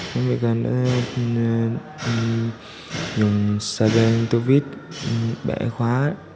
nói về cái này dùng xa đen tư viết bẻ khóa